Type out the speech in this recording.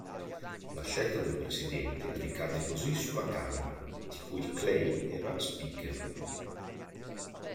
La scelta del Presidente ricadde così sulla Camera, di cui Clay era "speaker".